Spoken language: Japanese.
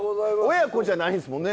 親子じゃないんですもんね？